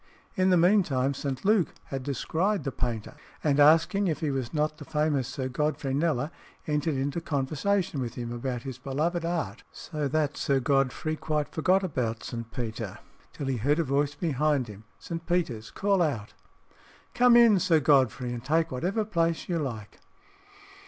In the meantime St. Luke had descried the painter, and asking if he was not the famous Sir Godfrey Kneller, entered into conversation with him about his beloved art, so that Sir Godfrey quite forgot about St. Peter till he heard a voice behind him St. Peter's call out, "Come in, Sir Godfrey, and take whatever place you like."